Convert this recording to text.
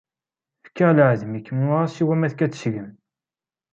Fkiɣ lɛahed mi kem-uɣeɣ siwa ma tekka-d seg-m.